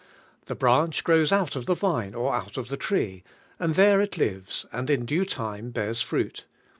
The branch grows out of the vine, or out of the tree, and Biere it Uvea and in clue time bears fruit.